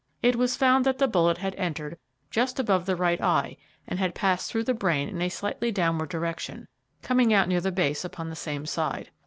It was found that the bullet had entered just above the right eye and had passed through the brain in a slightly downward direction, coming out near the base upon the same side.